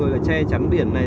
rồi che chắn biển này